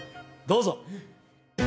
どうぞ！